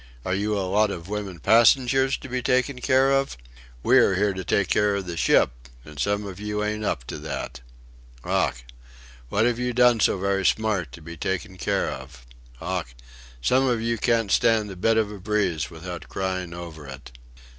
Are you a lot of women passengers to be taken care of? We are here to take care of the ship and some of you ain't up to that. Ough!... What have you done so very smart to be taken care of? Ough!... Some of you can't stand a bit of a breeze without crying over it."